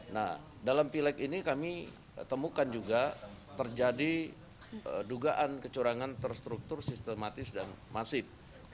nah dalam pileg ini kami temukan juga terjadi dugaan kecurangan terstruktur sistematis dan masif